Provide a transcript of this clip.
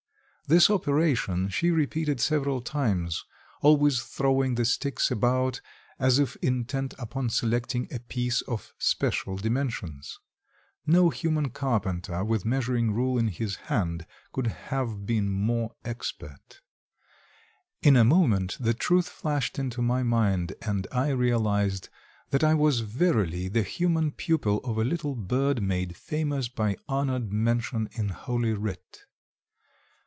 This operation she repeated several times, always throwing the sticks about as if intent upon selecting a piece of special dimensions. No human carpenter with measuring rule in his hand could have been more expert. In a moment the truth flashed into my mind and I realized that I was verily the human pupil of a little bird made famous by honored mention in Holy Writ.